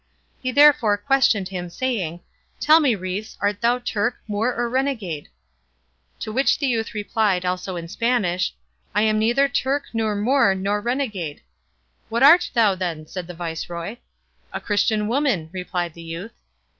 He therefore questioned him, saying, "Tell me, rais, art thou Turk, Moor, or renegade?" To which the youth replied, also in Spanish, "I am neither Turk, nor Moor, nor renegade." "What art thou, then?" said the viceroy. "A Christian woman," replied the youth.